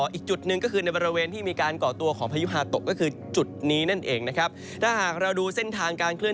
อีกจุดหนึ่งก็คือในบริเวณที่มีการก่อตัวของพายุฮาตก